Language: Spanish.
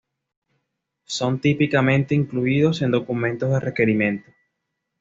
Son típicamente incluidos en documentos de requerimiento.